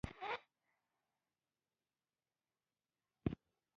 د مرګ شپه پر راغله نو ناره یې وکړه.